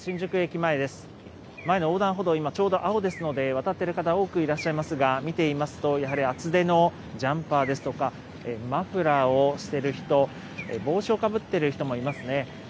前の横断歩道、ちょうど今、青ですので、渡っている方、多くいらっしゃいますが、見ていますと、やはり厚手のジャンパーですとか、マフラーをしている人、帽子をかぶっている人もいますね。